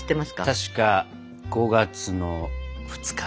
確か５月の２日。